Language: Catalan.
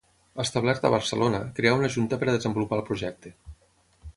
Establert a Barcelona, creà una junta per a desenvolupar el projecte.